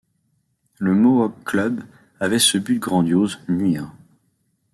Le Mohock Club avait ce but grandiose : nuire.